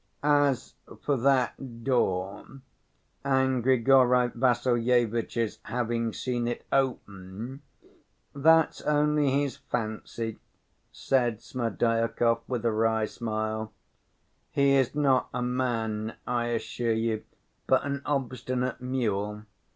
"As for that door and Grigory Vassilyevitch's having seen it open, that's only his fancy," said Smerdyakov, with a wry smile. "He is not a man, I assure you, but an obstinate mule.